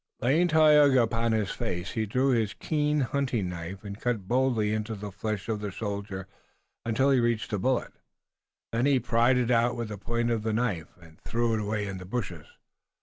Laying Tayoga upon his face, he drew his keen hunting knife and cut boldly into the flesh of the shoulder until he reached the bullet. Then he pried it out with the point of the knife, and threw it away in the bushes.